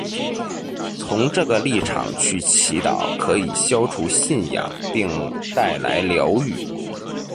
从这个立场去祈祷可以消除信仰并带来疗愈。